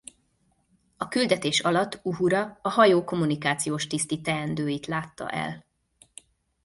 A küldetés alatt Uhura a hajó kommunikációs tiszti teendőit látta el.